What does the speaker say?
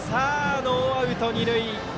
ノーアウト、二塁。